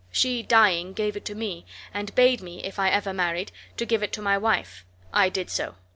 She, dying, gave it to me, and bade me, if I ever married, to give it to my wife. I did so.